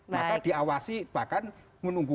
maka diawasi bahkan menunggu